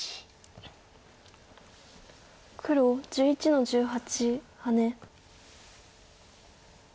黒１１の十八ハネ。